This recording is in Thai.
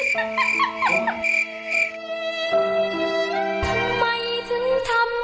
เขาชอบ